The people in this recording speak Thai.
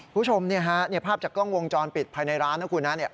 ผู้ชมฮะภาพจากกล้องวงจรปิดภายในร้านนะครับ